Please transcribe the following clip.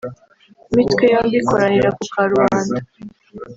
lmitwe yombi ikoranira ku karubanda